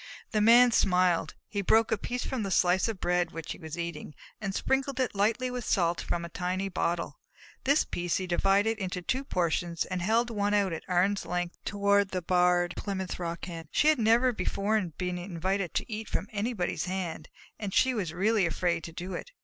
The Man smiled. He broke a piece from the slice of bread which he was eating, and sprinkled it lightly with salt from a tiny bottle. This piece he divided into two portions and held one out at arm's length toward the Barred Plymouth Rock Hen. She had never before been invited to eat from anybody's hand, and she was really afraid to do it.